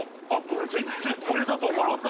全然これだとは思わなかった。